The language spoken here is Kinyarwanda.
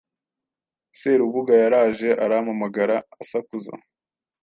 Serubuga yaraje arampamagara asakuza